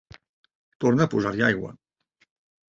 Torna a posar-hi aigua.